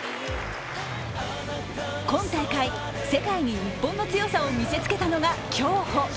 今大会、世界に日本の強さを見せつけたのが競歩。